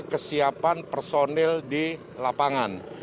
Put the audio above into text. kesiapan personil di lapangan